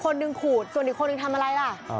คนหนึ่งขูดส่วนอีกคนนึงทำอะไรล่ะ